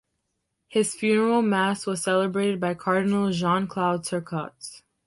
His funeral Mass was celebrated by Cardinal Jean-Claude Turcotte.